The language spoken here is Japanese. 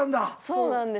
そうなんです。